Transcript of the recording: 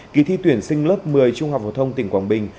kỳ thi tuyển sinh lớp một mươi trung học phổ thông tỉnh quảng bình